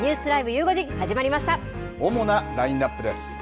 ゆう５時、主なラインナップです。